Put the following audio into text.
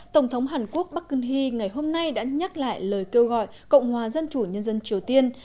tổng thống hàn quốc park geun hye ngày hôm nay đã nhắc lại lời kêu gọi cộng hòa dân chủ nhân dân triều tiên